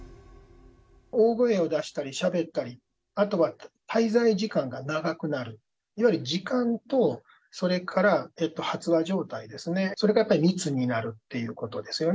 大声を出したり、しゃべったり、あとは滞在時間が長くなる、いわゆる時間とそれから発話状態ですね、それからやっぱり密になるっていうことですよね。